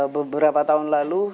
beberapa tahun lalu